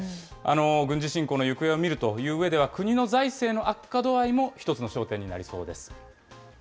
軍事侵攻の行方を見るといううえでは、国の財政の悪化度合いも一つの焦点になりそうです。